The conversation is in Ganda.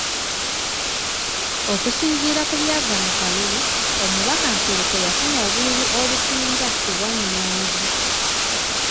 Okusinziira ku byava mu kalulu, omubaka Nsereko yafuna obululu obusinga ku bwa Nyanzi.